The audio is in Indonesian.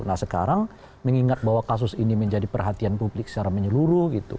nah sekarang mengingat bahwa kasus ini menjadi perhatian publik secara menyeluruh gitu